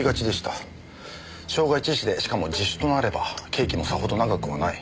傷害致死でしかも自首となれば刑期もさほど長くはない。